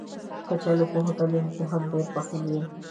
کچالو په هوټلونو کې هم ډېر پخېږي